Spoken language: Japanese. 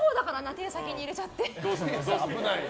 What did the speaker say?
手先に入れちゃって。